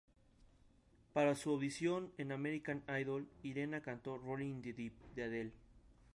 Para su audición en American Idol, Irena cantó "Rolling in the Deep" de Adele.